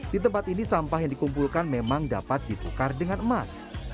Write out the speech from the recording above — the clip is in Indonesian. di tempat ini sampah yang dikumpulkan memang dapat ditukar dengan emas